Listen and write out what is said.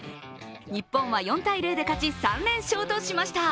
日本は４対０で勝ち３連勝としました。